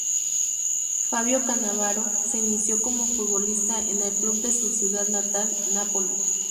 Fabio Cannavaro se inició como futbolista en el club de su ciudad natal, Napoli.